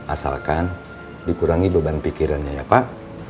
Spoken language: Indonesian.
asalkan dikurangi beban pikirannya ya pak